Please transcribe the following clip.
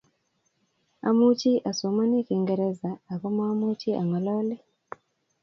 Amuchi asomani kiingerese aku mamuchi ang'oloni